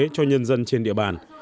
cho nhân dân trên địa bàn